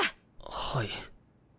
はい。